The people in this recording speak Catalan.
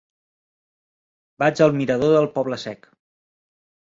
Vaig al mirador del Poble Sec.